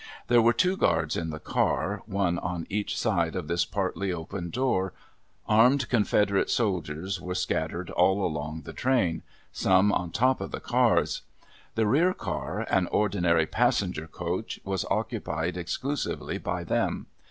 There were two guards in the car, one on each side of this partly open door. Armed Confederate soldiers were scattered all along the train some on top of the cars. The rear car, an ordinary passenger coach, was occupied exclusively by them.